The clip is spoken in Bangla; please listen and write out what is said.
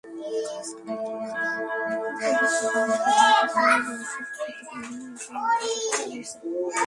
বাংলাদেশে সাত বছর বয়সী শিশু থেকে বিভিন্ন বয়সের নারী-পুরুষ আত্মহত্যা করছে।